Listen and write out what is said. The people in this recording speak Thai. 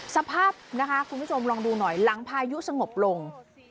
สภาพนะคะคุณผู้ชมลองดูหน่อยหลังพายุสงบลง